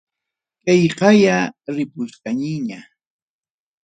Kayqaya ripuskaniña.